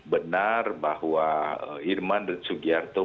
benar bahwa irman dan sugiarto